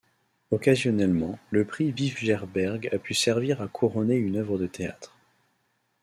Occasionnellement, le prix Vijverberg a pu servir à couronner une œuvre de théâtre.